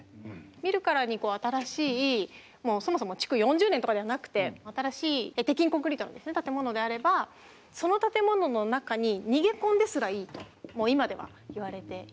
見るからに新しいそもそも築４０年とかではなくて新しい鉄筋コンクリートの建物であればその建物の中に逃げ込んですらいいともう今ではいわれています。